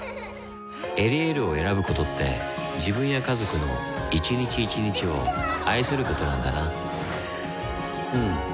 「エリエール」を選ぶことって自分や家族の一日一日を愛することなんだなうん。